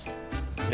え？